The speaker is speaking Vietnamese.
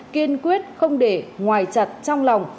kiên quyết không để ngoài chặt trong lòng